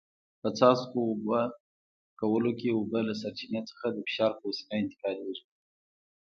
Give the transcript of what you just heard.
په څاڅکو اوبه کولو کې اوبه له سرچینې څخه د فشار په وسیله انتقالېږي.